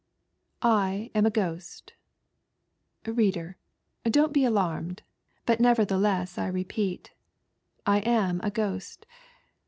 I i AM a Ghost. Reader, don't bo alarmed, but nevei^ thelesa I repeat, I am a, Ghost.